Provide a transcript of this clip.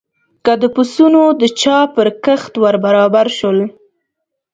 که د پسونو د چا پر کښت ور برابر شول.